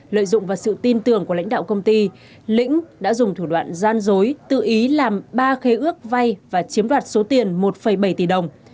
lợi dụng vào sự tin tưởng của lãnh đạo công ty lĩnh đã dùng thủ đoạn gian dối tự ý làm ba khế ước vay và chiếm đoạt số tiền một bảy tỷ đồng